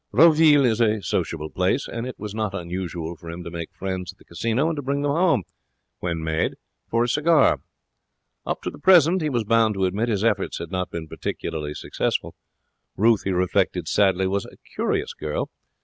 Roville is a sociable place, and it was not unusual for him to make friends at the casino and to bring them home, when made, for a cigar. Up to the present, he was bound to admit, his efforts had not been particularly successful. Ruth, he reflected sadly, was a curious girl.